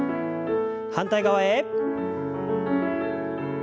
反対側へ。